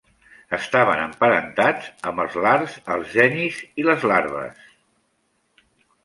Estaven emparentats amb els Lars, els Genis i les Larves.